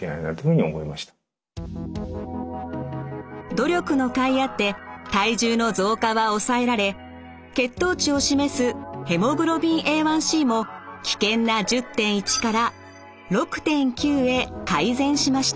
努力のかいあって体重の増加は抑えられ血糖値を示すＨｂＡ１ｃも危険な１０．１から６．９へ改善しました。